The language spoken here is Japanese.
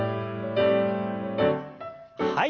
はい。